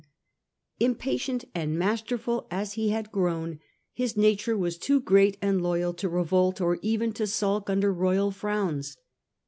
^ Impatient and masterful as he had grown, his nature was too great and loyal to revolt or even to sulk under royal frowns.